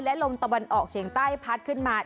และลมตะวันออกเฉียงใต้พัดขึ้นมา